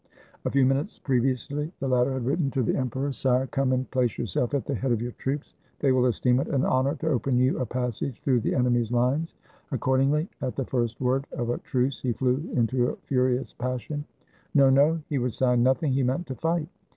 A few minutes previously the latter had written to the emperor: ''Sire, come and place yourself at the head of your troops ; they will esteem it an honor to open you a passage through the enemy's lines." Accordingly, at the first word of a truce he flew into a furious passion. No, no! he would sign nothing; he meant to fight.